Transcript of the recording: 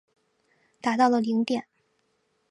达到了顶点。